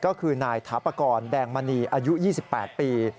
ก็คือนายถาปากรแดงมณีอายุ๒๘ปี